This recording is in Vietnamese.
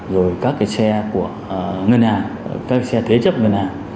rồi các cái xe của ngân hàng các xe thế chấp ngân hàng